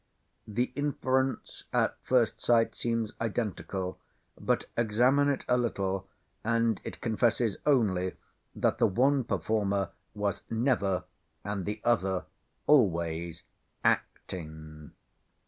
The inference, at first sight, seems identical; but examine it a little, and it confesses only, that the one performer was never, and the other always, acting.